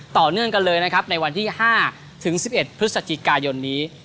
ต่อเนื่องกันเลยนะครับในวันที่๕ถึง๑๑พฤศจิกายนนี้